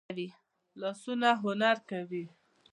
لاسونه هنر کوي